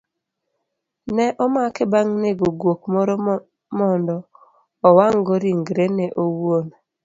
Ne omake bang' nego guok moro mondo owang'go ringrene owuon